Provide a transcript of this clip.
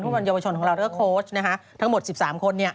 ผู้บันดีบชนของเราและโค้ชทั้งหมด๑๓คน